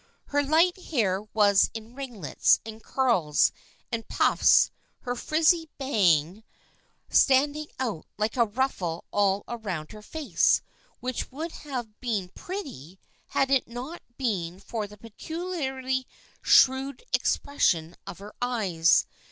Her light hair was in ringlets and curls and puffs, her frizzy " bang " standing out like a ruffle all around her face, which would have been pretty had it not been for the peculiarly shrewd expression of her eyes.